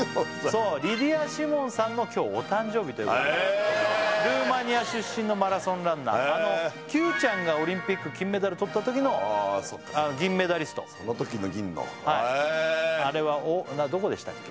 そうリディア・シモンさんの今日お誕生日というへえルーマニア出身のマラソンランナーＱちゃんがオリンピック金メダルとったときの銀メダリストそのときの銀のへえあれはどこでしたっけ？